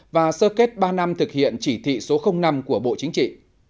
và sơ kết ba năm thực hiện chỉ thị số năm của bộ chính trị